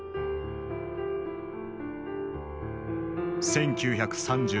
１９３７年。